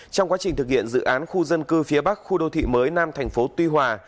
trong quá trình thực hiện dự án khu dân cư phía bắc khu đô thị mới nam thành phố tuy hòa